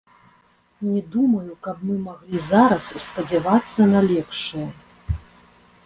Не думаю, каб мы маглі зараз спадзявацца на лепшае.